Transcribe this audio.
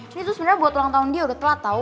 ini tuh sebenarnya buat ulang tahun dia udah telat tau